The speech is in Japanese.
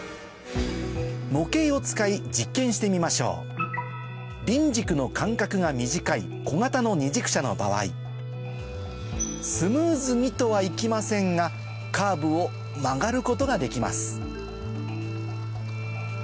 模型を使い実験してみましょうの場合スムーズにとはいきませんがカーブを曲がることができます